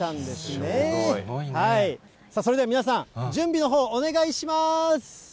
それでは皆さん、準備のほうお願いします。